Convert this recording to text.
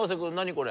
これ。